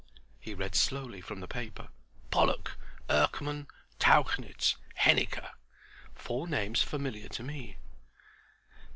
He read slowly from the paper, "Pollock, Erckman, Tauchnitz, Henniker"—four names familiar to me.